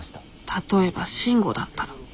例えば慎吾だったら。